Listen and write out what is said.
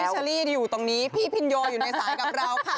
เชอรี่อยู่ตรงนี้พี่พินโยอยู่ในสายกับเราค่ะ